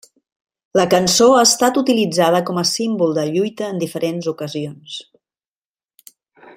La cançó ha estat utilitzada com a símbol de lluita en diferents ocasions.